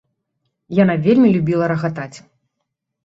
Яна вельмі любіла рагатаць.